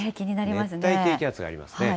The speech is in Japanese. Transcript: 熱帯低気圧がありますね。